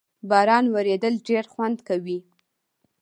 باران ورېدل ډېر خوند کوي